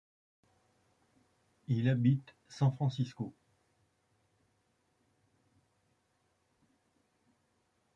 Il habite San Francisco.